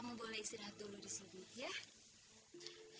kamu boleh istirahat dulu di sini ya